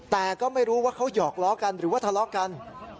แต่ก็ไม่รู้ว่าเขาหยอกล้อกันหรือว่าทะเลาะกัน